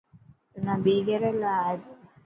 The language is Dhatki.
تنا ٻي ڪيريلا آئي پيو.